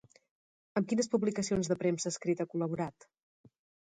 Amb quines publicacions de premsa escrita ha col·laborat?